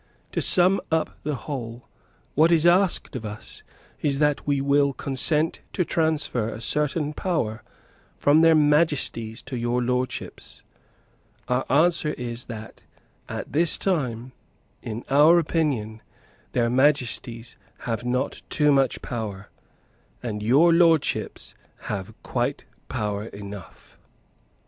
To sum up the whole, what is asked of us is that we will consent to transfer a certain power from their Majesties to your Lordships. Our answer is that, at this time, in our opinion, their Majesties have not too much power, and your Lordships have quite power enough."